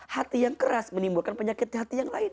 hati yang keras menimbulkan penyakit hati yang lain